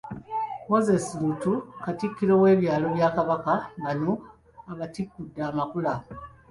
Moses Luutu Katikkiro w’ebyalo bya Kabaka, bano abatikkudde Amakula.